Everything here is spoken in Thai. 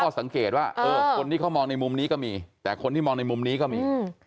สังเกตว่าคนที่เขามองในมุมนี้ก็มีแต่คนที่มองในมุมนี้ก็มี